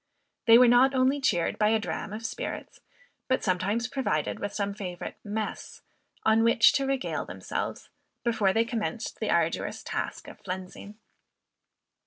They were not only cheered by a dram of spirits, but sometimes provided with some favorite "mess," on which to regale themselves, before they commenced the arduous task of flensing.